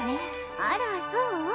あらそう？